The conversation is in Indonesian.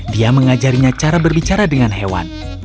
dia mengajarinya cara berbicara dengan hewan